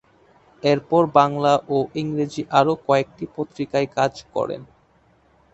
এরপর বাংলা ও ইংরেজি আরও কয়েকটি পত্রিকায় কাজ করেন।